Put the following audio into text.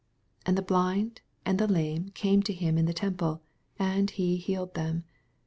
14 And the blind and the lame came to him in the temple ; and he healed them.